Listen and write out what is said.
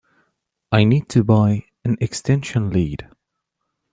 I need to buy an extension lead